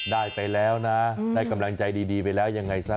ได้ไปแล้วนะได้กำลังใจดีไปแล้วยังไงซะ